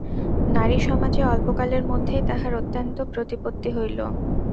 নারীসমাজে অল্পকালের মধ্যেই তাঁহার অত্যন্ত প্রতিপত্তি হইল।